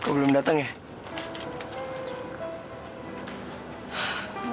kau belum datang ya